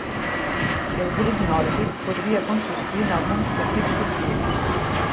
El grup nòrdic podria consistir en alguns petits subgrups.